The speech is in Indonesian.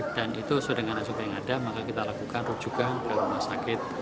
dan itu sudah dengan resiko yang ada maka kita lakukan rujukan ke rumah sakit